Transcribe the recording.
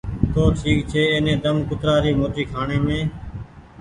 تو ٺيڪ ڇي ايني تم ڪترآ ري موٽي کآڻي